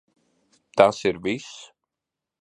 Tas ir viss?